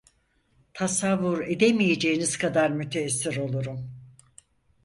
Tasavvur edemeyeceğiniz kadar müteessir olurum.